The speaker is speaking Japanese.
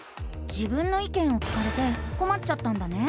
「自分の意見」を聞かれてこまっちゃったんだね？